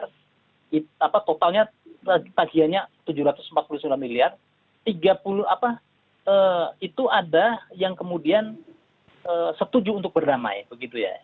rp tujuh ratus empat puluh sembilan miliar totalnya tagihannya rp tujuh ratus empat puluh sembilan miliar tiga puluh apa itu ada yang kemudian setuju untuk berdamai begitu ya